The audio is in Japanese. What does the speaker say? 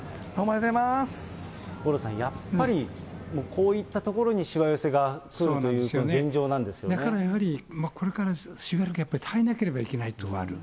五郎さん、やっぱりこういったところにしわ寄せがくるという現状なんですよだからやはり、これからしばらく、やっぱり耐えなければいけないところがある。